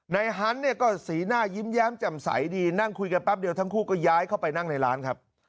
ฮันต์เนี่ยก็สีหน้ายิ้มแย้มแจ่มใสดีนั่งคุยกันแป๊บเดียวทั้งคู่ก็ย้ายเข้าไปนั่งในร้านครับ